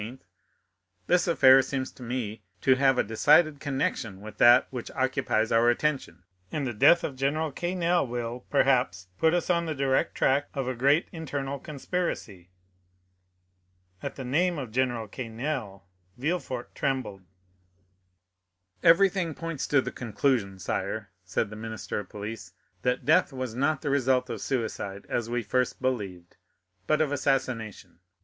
"this affair seems to me to have a decided connection with that which occupies our attention, and the death of General Quesnel will, perhaps, put us on the direct track of a great internal conspiracy." At the name of General Quesnel, Villefort trembled. "Everything points to the conclusion, sire," said the minister of police, "that death was not the result of suicide, as we first believed, but of assassination.